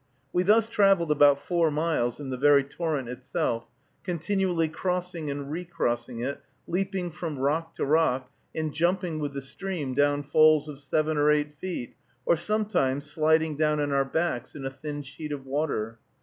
We thus traveled about four miles in the very torrent itself, continually crossing and recrossing it, leaping from rock to rock, and jumping with the stream down falls of seven or eight feet, or sometimes sliding down on our backs in a thin sheet of water.